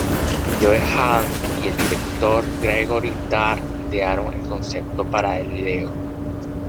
Joe Hahn y el director Gregory Dark idearon el concepto para el video.